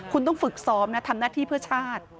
คุณต้องฝึกซ้อมนะทำหน้าที่เพื่อชาติ